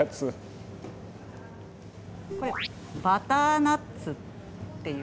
これバターナッツっていう。